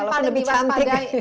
walaupun lebih cantik